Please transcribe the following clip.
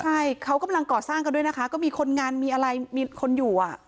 ใช่เขากำลังก่อสร้างกันด้วยนะคะก็มีคนงานมีอะไรมีคนอยู่อ่ะ